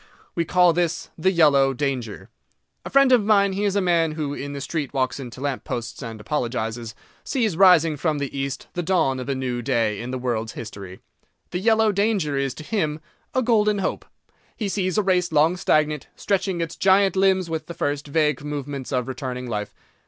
We call this "the yellow danger." A friend of mine—he is a man who in the street walks into lamp posts, and apologises—sees rising from the East the dawn of a new day in the world's history. The yellow danger is to him a golden hope. He sees a race long stagnant, stretching its giant limbs with the first vague movements of returning life.